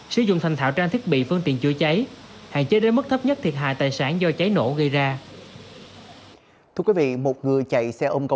sử dụng thành thảo trang thiết bị phương tiện chữa cháy